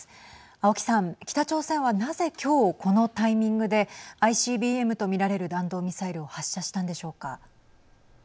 青木さん、北朝鮮はなぜ、きょうこのタイミングでＩＣＢＭとみられる弾道ミサイルを発射したんでしょうか。